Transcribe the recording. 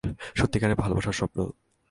সত্যিকারের ভালবাসার স্বপ্ন।